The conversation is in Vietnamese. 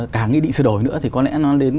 cả nghĩa định xưa đổi nữa thì có lẽ nó đến